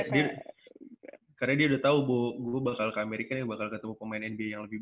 karena dia karena dia udah tau gue bakal ke amerika ya bakal ketemu pemain nba yang lebih baik